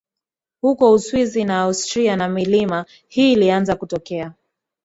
Huko Uswisi na Austria na milima hii ilianza kutokea